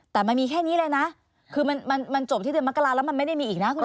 แต่มันมีแค่นี้เลยนะคือมันมันจบที่เดือนมกราแล้วมันไม่ได้มีอีกนะคุณผู้ชม